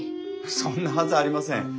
そんなはずありません。